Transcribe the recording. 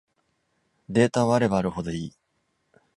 データはあればあるほどいい